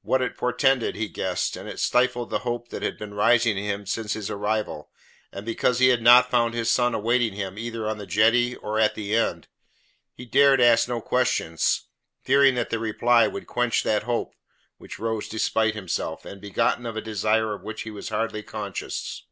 What it portended, he guessed; and it stifled the hope that had been rising in him since his arrival, and because he had not found his son awaiting him either on the jetty or at the inn. He dared ask no questions, fearing that the reply would quench that hope, which rose despite himself, and begotten of a desire of which he was hardly conscious.